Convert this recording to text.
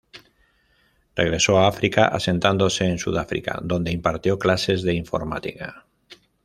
Regresó a África, asentándose en Sudáfrica, donde impartió clases de informática.